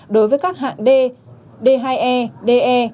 đối với các hạng d d hai e de